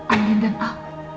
andin dan al